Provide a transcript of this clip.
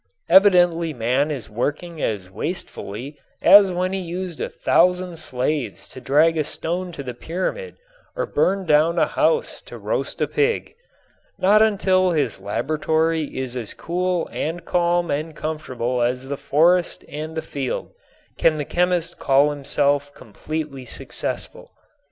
Evidently man is working as wastefully as when he used a thousand slaves to drag a stone to the pyramid or burned down a house to roast a pig. Not until his laboratory is as cool and calm and comfortable as the forest and the field can the chemist call himself completely successful.